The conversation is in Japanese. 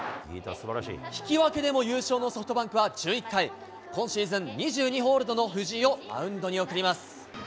引き分けでも優勝のソフトバンクは１１回、今シーズン２２ホールドの藤井をマウンドに送ります。